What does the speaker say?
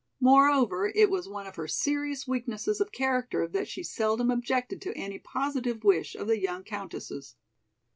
Moreover, it was one of her serious weaknesses of character that she seldom objected to any positive wish of the young countess's.